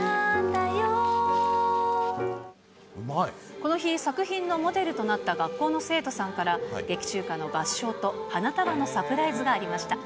この日、作品のモデルとなった学校の生徒さんから劇中歌の合唱と花束のサプライズがありました。